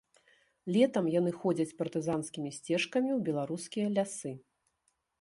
Летам яны ходзяць партызанскімі сцежкамі ў беларускія лясы.